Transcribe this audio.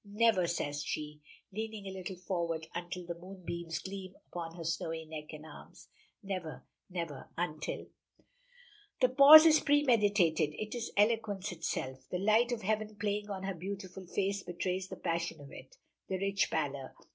"Never," says she, leaning a little forward until the moonbeams gleam upon her snowy neck and arms. "Never never until " The pause is premeditated. It is eloquence itself! The light of heaven playing on her beautiful face betrays the passion of it the rich pallor!